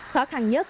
khó khăn nhất là